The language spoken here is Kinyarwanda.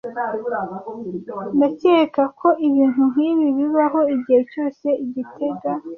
Ndakeka ko ibintu nkibi bibaho igihe cyose i gitega.